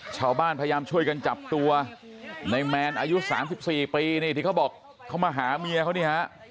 ชาวบ้านพยายามช่วยกันจับตัวในแมนอายุ๓๔ปีนี่ที่เขาบอกเขามาหาเมียเขานี่ฮะ